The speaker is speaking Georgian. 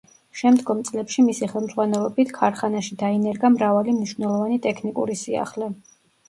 შემდგომ წლებში მისი ხელმძღვანელობით ქარხანაში დაინერგა მრავალი მნიშვნელოვანი ტექნიკური სიახლე.